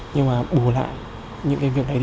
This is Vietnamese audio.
nhưng mà bù lại những cái việc đấy